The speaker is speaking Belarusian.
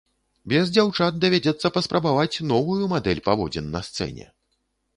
Без дзяўчат давядзецца паспрабаваць новую мадэль паводзін на сцэне!